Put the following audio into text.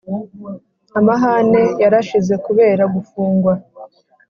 Amahane yarashize kubera gufungwa